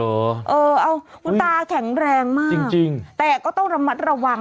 เออเอาคุณตาแข็งแรงมากจริงจริงแต่ก็ต้องระมัดระวัง